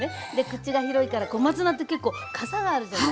口が広いから小松菜って結構かさがあるじゃない？